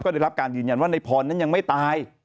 ได้รับการยืนยันว่าในพรนั้นยังไม่ตาย